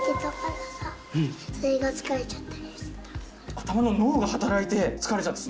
頭の脳が働いて疲れちゃった。